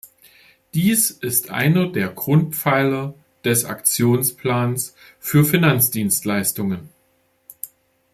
Dies ist einer der Grundpfeiler des Aktionsplans für Finanzdienstleistungen.